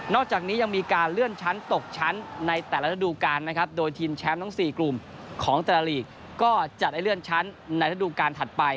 จากนี้ยังมีการเลื่อนชั้นตกชั้นในแต่ละระดูการนะครับโดยทีมแชมป์ทั้ง๔กลุ่มของแต่ละลีกก็จะได้เลื่อนชั้นในระดูการถัดไป